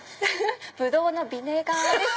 ブドウのビネガーです。